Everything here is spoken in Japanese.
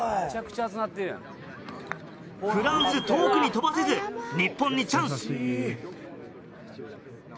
フランス遠くに飛ばせず日本にチャンス。